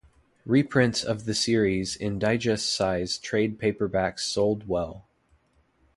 Reprints of the series in digest size trade paperbacks sold well.